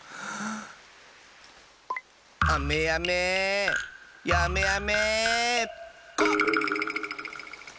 あめやめやめあめコッ！